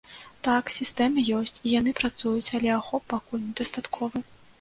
Так, сістэмы ёсць, і яны працуюць, але ахоп пакуль недастатковы.